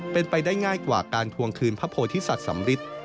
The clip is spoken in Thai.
เป็นไปได้ง่ายกว่าการทวงคืนพระโพธิสัตว์สำริท